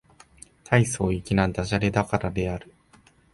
大層粋な駄洒落だからである